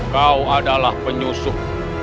kau adalah penyusup